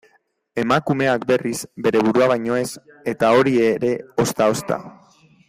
Emakumeak, berriz, bere burua baino ez, eta hori ere ozta-ozta.